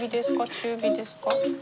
中火ですか？